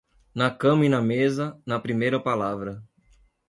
Na cama e na mesa, na primeira palavra.